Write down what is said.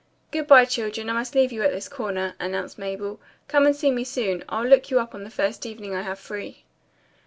"Good bye, children, I must leave you at this corner," announced Mabel. "Come and see me soon. I'll look you up the first evening I have free."